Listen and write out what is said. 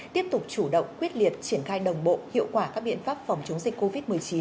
tiếp tục chủ động quyết liệt triển khai đồng bộ hiệu quả các biện pháp phòng chống dịch covid một mươi chín